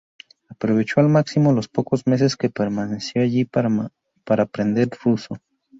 Aprovechó al máximo los pocos meses que permaneció allí para aprender ruso.